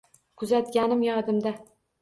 Kuzatganim yodimda.